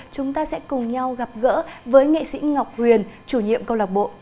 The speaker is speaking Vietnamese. chúng ta sẽ cùng nhau gặp gỡ với nghệ sĩ ngọc huyền chủ nhiệm câu lạc bộ